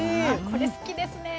これ好きですね。